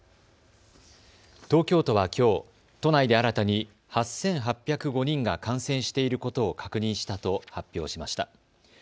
東京都はきょう、都内で新たに８８０５人が感染していることを確認したと発表しました。